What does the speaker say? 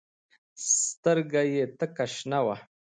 سترګه يې تکه شنه وه.